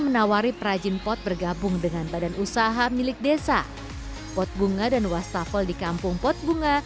menawari perajin pot bergabung dengan badan usaha milik desa potbunga dan wastafel di kampung potbunga